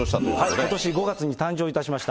ことし５月に誕生いたしました。